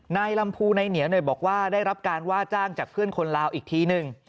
นายลำพูนายเหนียวบอกว่าได้รับการว่าจ้างจากเพื่อนคนลาวอีกทีหนึ่ง